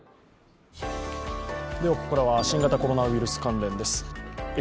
ここからは新型コロナウイルス関連です。